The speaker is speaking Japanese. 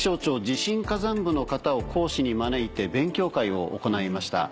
地震火山部の方を講師に招いて勉強会を行いました。